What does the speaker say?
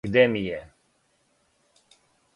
Где ми је?